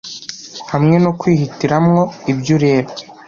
hamwe no kwihitiramwo ibyo ureba